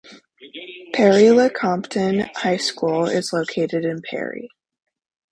Perry-Lecompton High School is located in Perry.